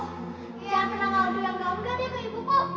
jangan pernah ngaudul yang gak unggah deh ke ibu ko